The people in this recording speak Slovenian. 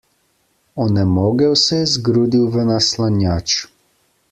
Onemogel se je zgrudil v naslanjač.